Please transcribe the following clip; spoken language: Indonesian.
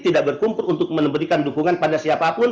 tidak berkumpul untuk memberikan dukungan pada siapapun